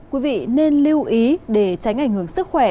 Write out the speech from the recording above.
quý vị nên lưu ý để tránh ảnh hưởng sức khỏe